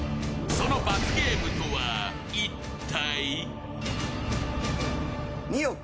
その罰ゲームとは一体？